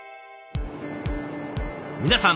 皆さん